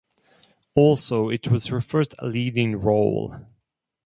Also it was her first leading role.